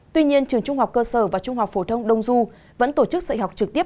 tuy nhiên trường trung học cơ sở và trung học phổ thông đông du vẫn tổ chức dạy học trực tiếp